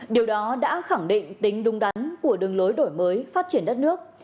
điều đó đã khẳng định tính đúng đắn của đường lối đổi mới phát triển đất nước